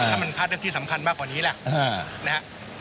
ถ้ามันพลาดเรื่องที่สำคัญมากกว่านี้แหละนะฮะ